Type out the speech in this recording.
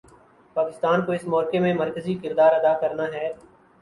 پاکستان کو اس معرکے میں مرکزی کردار ادا کرنا ہے۔